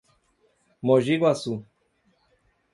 Mogi Guaçu